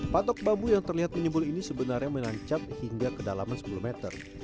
patok bambu yang terlihat menyembul ini sebenarnya menancap hingga kedalaman sepuluh meter